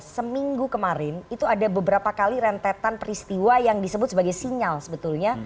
seminggu kemarin itu ada beberapa kali rentetan peristiwa yang disebut sebagai sinyal sebetulnya